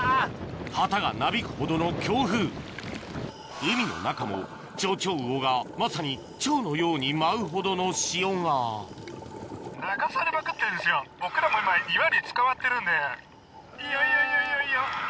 旗がなびくほどの強風海の中もチョウチョウウオがまさにチョウのように舞うほどの潮がいいよいいよいいよいいよ。